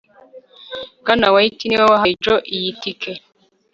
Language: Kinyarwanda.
Bwana White niwe wahaye Joe iyi tike